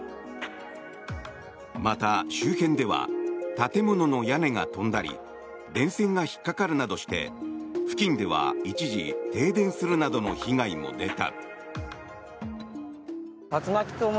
また、周辺では建物の屋根が飛んだり電線が引っかかるなどして付近では一時停電するなどの被害も出た。